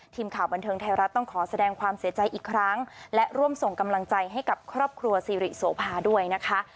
ทีมข่าวบันเทิงไทยรัฐต้องขอแสดงความเสียใจอีกครั้งและร่วมส่งกำลังใจให้กับครอบครัวสิริโสภาด้วยนะคะ